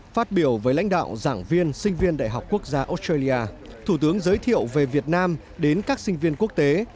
phát biểu với lãnh đạo giảng viên sinh viên đại học quốc gia australia thủ tướng giới thiệu về việt nam đến các sinh viên quốc tế